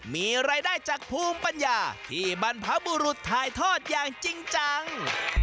มีรายได้จากภูมิปัญญาที่บรรพบุรุษถ่ายทอดอย่างจริงจัง